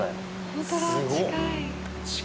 本当だ近い。